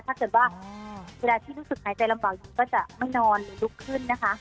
ถ้าเกิดว่าเวลาที่รู้สึกหายใจลำบากอยู่ก็จะไม่นอนหรือลุกขึ้นนะคะ